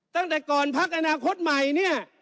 ตั้งแต่ก่อนพักอนาคตใหม่เนี่ย